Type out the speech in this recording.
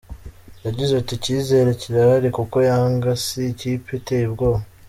Yagize ati “Icyizere kirahari kuko Yanga si ikipe iteye ubwoba.